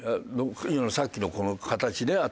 さっきのこの形ね頭。